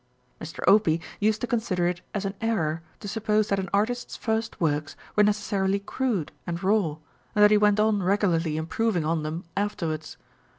Mr. Opie used to consider it as an error to suppose that an artist's first works were necessarily crude and raw, and that he went on regularly improving on them afterwards.